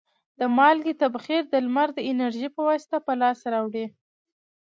د مالګې تبخیر د لمر د انرژي په واسطه په لاس راوړي.